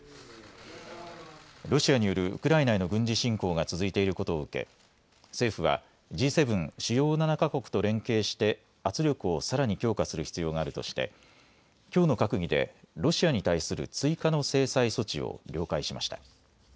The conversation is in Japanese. ロシアによるウクライナへの軍事侵攻が続いていることを受け政府はＧ７・主要７か国と連携して圧力をさらに強化する必要があるとしてきょうの閣議でロシアに対する追加の制裁措置を了解しました。